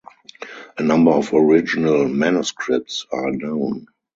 A number of original manuscripts are known.